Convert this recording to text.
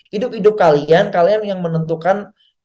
hidup hidup kalian kalian yang menentukan